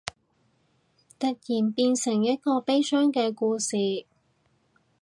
突然變成一個悲傷嘅故事